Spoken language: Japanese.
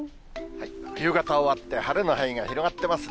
冬型終わって、晴れの範囲が広がってますね。